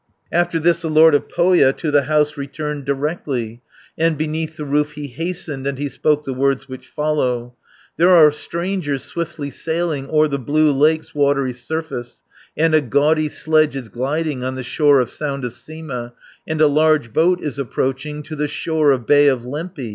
550 After this the Lord of Pohja To the house returned directly, And beneath the roof he hastened, And he spoke the words which follow: "There are strangers swiftly sailing O'er the blue lake's watery surface, And a gaudy sledge is gliding On the shore of Sound of Sima; And a large boat is approaching To the shore of Bay of Lempi."